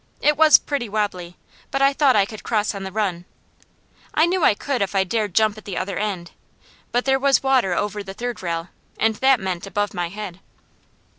It was pretty wobbly, but I thought I could cross on the run. I knew I could if I dared jump at the other end; but there the water was over the third rail, and that meant above my head.